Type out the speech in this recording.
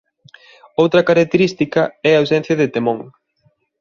Outra característica é a ausencia de temón.